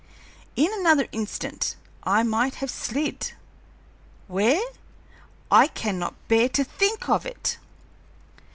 In another instant I might have slid where? I cannot bear to think of it!"